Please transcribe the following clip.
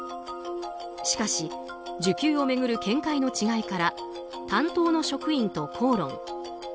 しかし受給を巡る見解の違いから担当の職員と口論。